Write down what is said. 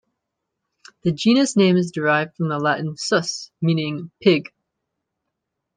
The genus name is derived from the Latin "sus", meaning "pig".